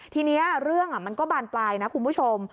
ทีนี้เรื่องมันก็บานปลายนะคุณผู้ชม